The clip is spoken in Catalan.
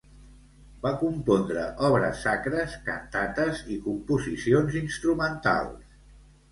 Va compondre obres sacres, cantates i composicions instrumentals.